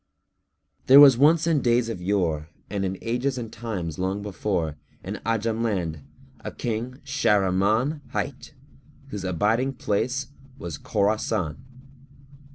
There was once in days of yore and in ages and times long gone before, in Ajam land a King Shahrimán[FN#302] hight, whose abiding place was Khorásán.